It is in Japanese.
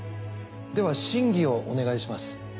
では審議をお願いします。